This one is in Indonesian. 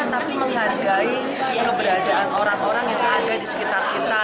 tapi menghargai keberadaan orang orang yang ada di sekitar kita